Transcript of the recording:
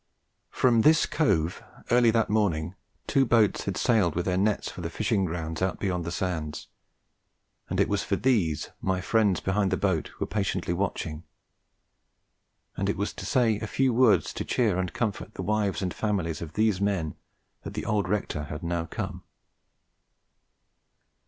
From this cove, early that morning, two boats had sailed with their nets for the fishing grounds out beyond the sands, and it was for these my friends behind the boat were patiently watching, and it was to say a few words to cheer and comfort the wives and families of these men that the old rector had now come.